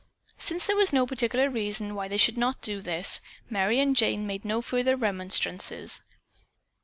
Since there was no particular reason why they should not do this, Merry and Jane made no further remonstrances.